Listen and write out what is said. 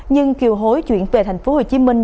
nhưng kiều hối chuyển về thành phố hồ chí minh